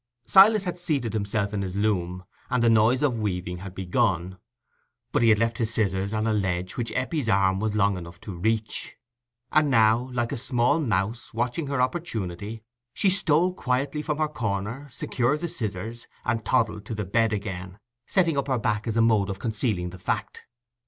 Silas had seated himself in his loom, and the noise of weaving had begun; but he had left his scissors on a ledge which Eppie's arm was long enough to reach; and now, like a small mouse, watching her opportunity, she stole quietly from her corner, secured the scissors, and toddled to the bed again, setting up her back as a mode of concealing the fact.